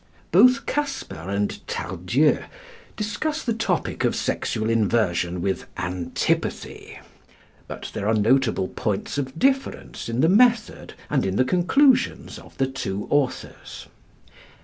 Both Casper and Tardieu discuss the topic of sexual inversion with antipathy. But there are notable points of difference in the method and in the conclusions of the two authors.